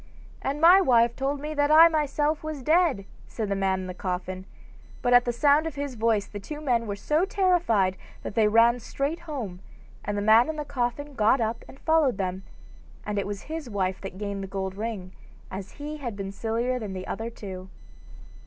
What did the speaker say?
'And my wife told me that I myself was dead,' said the man in the coffin. But at the sound of his voice the two men were so terrified that they ran straight home, and the man in the coffin got up and followed them, and it was his wife that gained the gold ring, as he had been sillier than the other two.